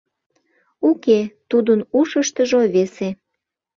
Уке, тудын ушыштыжо весе.